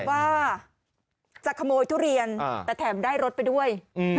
ว่าจะขโมยทุเรียนแต่แถมได้รถไปด้วย